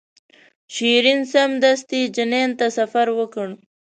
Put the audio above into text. شیرین سمدستي جنین ته سفر وکړ.